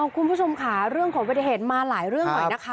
คุณผู้ชมค่ะเรื่องของปฏิเหตุมาหลายเรื่องหน่อยนะคะ